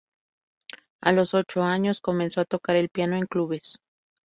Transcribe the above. A los ocho años comenzó a tocar el piano en clubes.